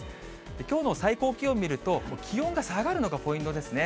きょうの最高気温を見ると、気温が下がるのがポイントですね。